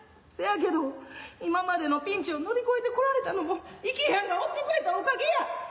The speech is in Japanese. せやけど今までのピンチを乗り越えてこられたのも池やんがおってくれたおかげや。